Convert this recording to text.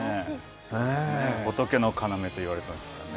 仏の要といわれていますからね。